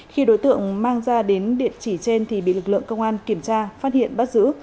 khi đối tượng mang ra đến địa chỉ trên thì bị lực lượng công an kiểm tra phát hiện bắt giữ